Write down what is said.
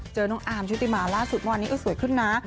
เจอน้องอามชุติมาลล่าสุดเมื่อวันนี้สวยขึ้นนะ